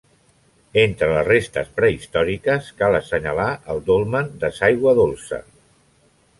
Entre les restes prehistòriques cal assenyalar el Dolmen de s'Aigua Dolça.